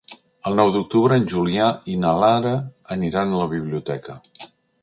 El nou d'octubre en Julià i na Lara aniran a la biblioteca.